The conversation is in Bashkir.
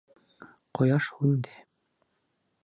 Ҡояш һүнде!..